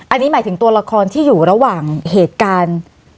อันนี้หมายถึงตัวละครที่อยู่ระหว่างเหตุการณ์